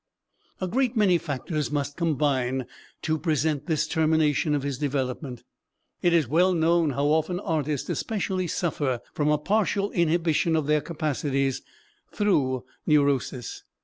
A great many factors must combine to present this termination of his development; it is well known how often artists especially suffer from a partial inhibition of their capacities through neurosis.